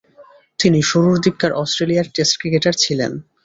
তিনি শুরুর দিককার অস্ট্রেলিয়ার টেস্ট ক্রিকেটার ছিলেন।